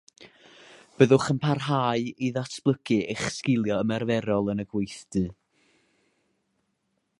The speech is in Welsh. Byddwch yn parhau i ddatblygu eich sgiliau ymarferol yn y gweithdy.